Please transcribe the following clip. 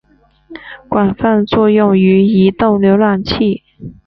广泛作用于移动浏览器。